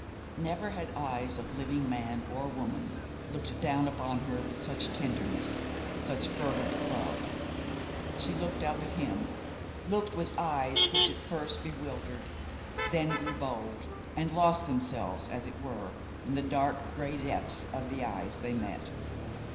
Never had eyes of living man or woman looked down upon her with such tenderness, such fervent love. She looked up at him; looked with eyes which, at first bewildered, then grew bold, and lost themselves, as it were, in the dark grey depths of the eyes they met.